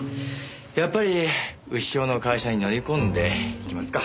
やっぱり潮の会社に乗り込んで行きますか。